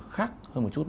khác hơn một chút